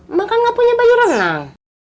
emang kan gak punya baju berenang